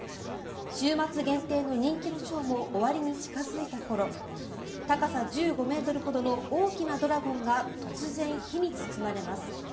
週末限定の人気のショーも終わりに近付いた頃高さ１５ｍほどの大きなドラゴンが突然、火に包まれます。